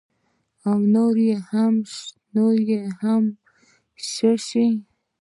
او نور به هم ښه شي.